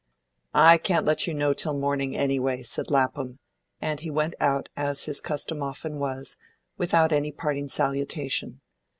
"I can't let you know till morning, anyway," said Lapham, and he went out, as his custom often was, without any parting salutation.